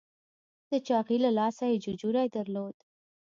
د چاغي له لاسه یې ججوری درلود.